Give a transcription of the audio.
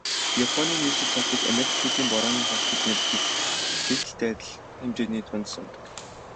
Японы нийслэл Токиод Америкчуудын Борооны хот гэж нэрлэдэг Сиэтллтэй адил хэмжээний тунадас унадаг.